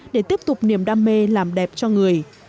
để tiếp tục niềm đam mê làm đẹp cho người